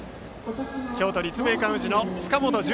京都・立命館宇治の塚本遵